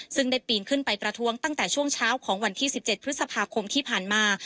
ซึ่งได้ปีนขึ้นไปประท้วงตั้งแต่ช่วงเช้าของวันที่๑๗พฤษภาคมที่ผ่านมา